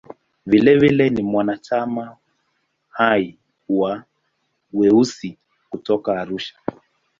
Vilevile ni mwanachama hai wa "Weusi" kutoka Arusha.